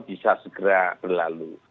bisa segera berlalu